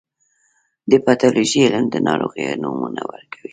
د پیتالوژي علم د ناروغیو نومونه ورکوي.